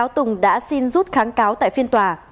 tùng đã xin rút kháng cáo tại phiên tòa